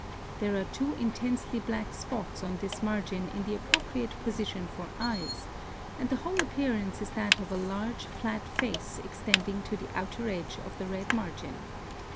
There are two intensely black spots on this margin in the appropriate position for eyes, and the whole appear ance is that of a large flat face extending to the outer edge of the red margin.